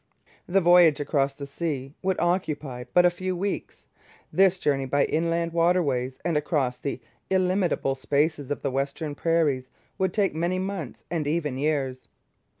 The voyage across the sea would occupy but a few weeks; this journey by inland waterways and across the illimitable spaces of the western prairies would take many months and even years.